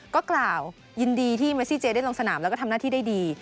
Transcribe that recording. ก็กล่าวยินดีที่เมซี่เจได้ลงสนามแล้วก็ทำหน้าที่ได้ดี